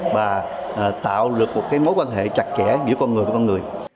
và tạo được một mối quan hệ chặt kẽ giữa con người và con người